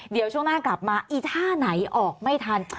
เดี๋ยวช่วงหน้ากลับมาอีท่าไหนออกไม่ทัน